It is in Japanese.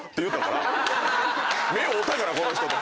目合うたからこの人と。